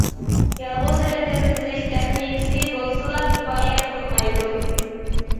يالغۇز رەسىم سىزىش تېخنىكىسى بولسىلا كۇپايە قىلمايدۇ.